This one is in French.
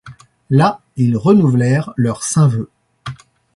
Là, ils renouvelèrent leurs saints Vœux.